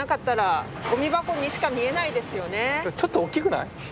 ちょっと大きくない？